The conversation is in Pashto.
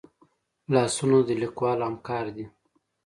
لاسونه د لیکوال همکار دي